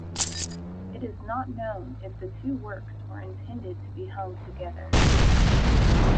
It is not known if the two works were intended to be hung together.